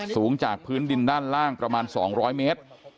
สูงจากพื้นดินด้านล่างประมาณ๒๐๐เมตร